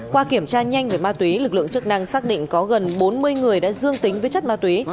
qua kiểm tra nhanh về ma túy lực lượng chức năng xác định có gần bốn mươi người đã dương tính với chất ma túy